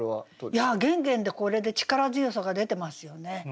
いや「ゲンゲン」でこれで力強さが出てますよね。